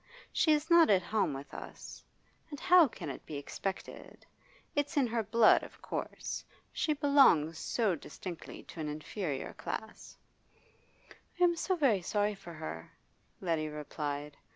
She is not at home with us. And how can it be expected? It's in her blood, of course; she belongs so distinctly to an inferior class.' 'I am so very sorry for her,' Letty replied.